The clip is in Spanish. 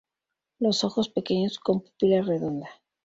Los ojos pequeños con pupila redonda.